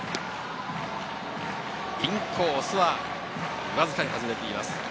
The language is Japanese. インコースはわずかに外れています。